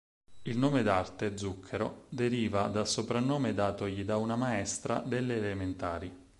Il nome d'arte, Zucchero, deriva dal soprannome datogli da una maestra delle elementari.